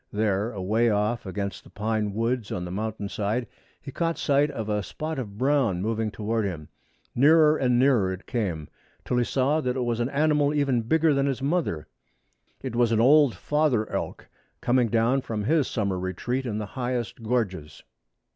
There, away off against the pine woods on the mountain side, he caught sight of a spot of brown moving toward him. Nearer and nearer it came, till he saw that it was an animal even bigger than his mother. It was an old father elk coming down from his summer retreat in the highest gorges.